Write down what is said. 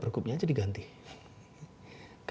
semoga berjalan dengan baik